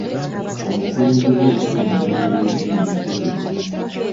Omukulembeze yasaba embalirira y'emmere eyagabibwa.